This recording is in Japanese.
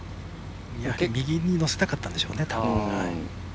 右に乗せたかったんでしょうね。